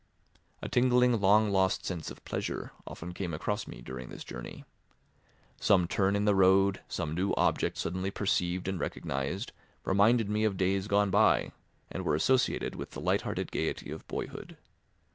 A tingling long lost sense of pleasure often came across me during this journey. Some turn in the road, some new object suddenly perceived and recognised, reminded me of days gone by, and were associated with the lighthearted gaiety of boyhood.